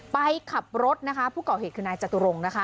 ไปขับรถนะคะผู้ก่อเหตุคือนายจตุรงคนะคะ